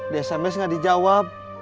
di sms gak dijawab